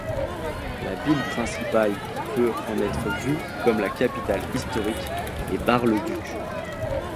La ville principale qui peut en être vue comme la capitale historique est Bar-le-Duc.